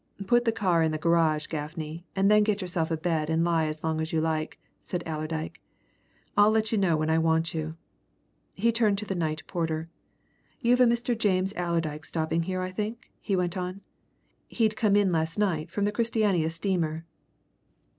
"Put the car in the garage, Gaffney, and then get yourself a bed and lie as long as you like," said Allerdyke. "I'll let you know when I want you." He turned to the night porter. "You've a Mr. James Allerdyke stopping here I think?" he went on. "He'd come in last night from the Christiania steamer."